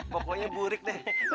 pokoknya burik deh lagi model